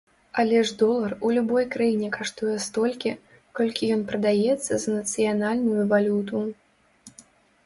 Але ж долар у любой краіне каштуе столькі, колькі ён прадаецца за нацыянальную валюту.